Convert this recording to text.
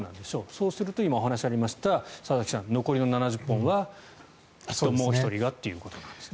そうすると今、お話がありました佐々木さん、残りの７０本はもう１人がということですね。